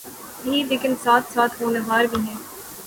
ہی لیکن ساتھ ساتھ ہونہار بھی ہیں۔